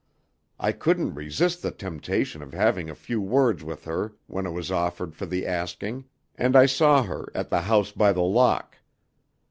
I couldn't resist the temptation of having a few words with her when it was offered for the asking, and I saw her at the House by the Lock.